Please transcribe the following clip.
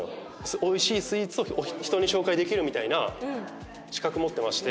美味しいスイーツを人に紹介できるみたいな資格持ってまして。